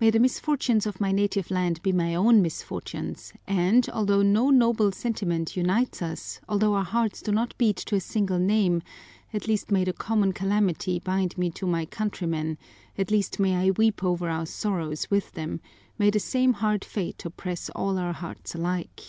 May the misfortunes of my native land be my own misfortunes and, although no noble sentiment unites us, although our hearts do not beat to a single name, at least may the common calamity bind me to my countrymen, at least may I weep over our sorrows with them, may the same hard fate oppress all our hearts alike!"